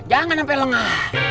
jangan sampai lengah